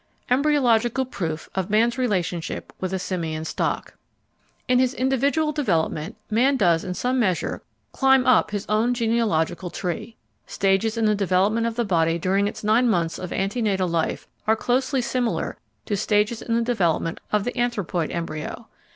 ] Embryological Proof of Man's Relationship with a Simian Stock In his individual development, man does in some measure climb up his own genealogical tree. Stages in the development of the body during its nine months of ante natal life are closely similar to stages in the development of the anthropoid embryo.